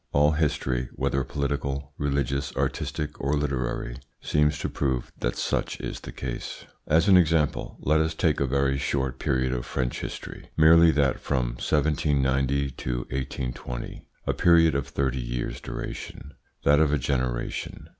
All history, whether political, religious, artistic, or literary, seems to prove that such is the case. As an example, let us take a very short period of French history, merely that from 1790 to 1820, a period of thirty years' duration, that of a generation.